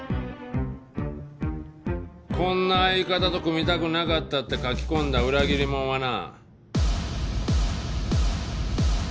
「こんな相方と組みたくなかった」って書き込んだ裏切りもんはな。